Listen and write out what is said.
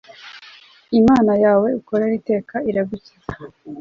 imana yawe ukorera iteka iragukiza